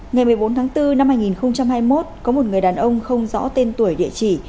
ngày một mươi bốn tháng bốn năm hai nghìn hai mươi một có một người đàn ông không rõ tên tuổi địa chỉ